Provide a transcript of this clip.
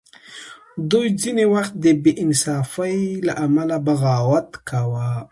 دوی ځینې وخت د بې انصافۍ له امله بغاوت کاوه.